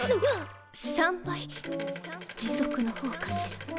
持続の方かしら。